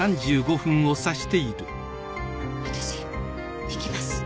私行きます。